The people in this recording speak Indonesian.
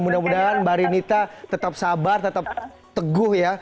mudah mudahan mbak rinita tetap sabar tetap teguh ya